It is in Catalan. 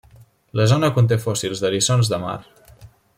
La zona conté fòssils d'eriçons de mar.